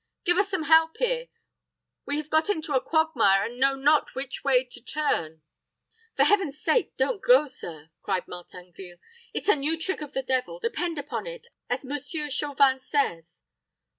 "Give us some help here. We have got into a quagmire, and know not which way to turn." "For Heaven's sake, don't go, sir," cried Martin Grille. "It's a new trick of the devil, depend upon it, as Monsieur Chauvin says."